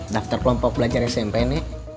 daftar kelompok belajar smp ini